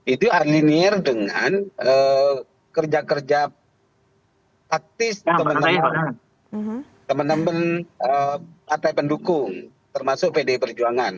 itu alinier dengan kerja kerja praktis teman teman partai pendukung termasuk pd perjuangan